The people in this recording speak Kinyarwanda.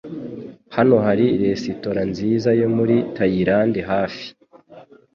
Hano hari resitora nziza yo muri Tayilande hafi.